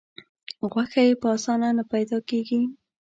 غوښه یې په اسانه نه پیدا کېږي.